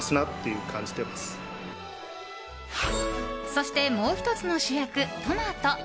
そしてもう１つの主役、トマト。